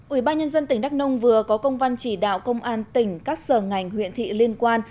ủy ban nhân dân tỉnh đắk nông vừa có công văn chỉ đạo công an tỉnh các sở ngành huyện thị liên quan